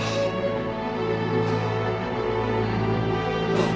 あっ。